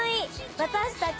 私たち。